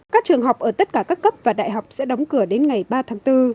các trường học ở tất cả các cấp và đại học sẽ đóng cửa đến ngày ba tháng bốn